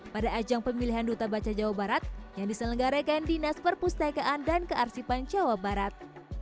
pada ajang pemilihan duta baca jawa barat yang diselenggarakan dinas perpustakaan dan kearsipan jawa barat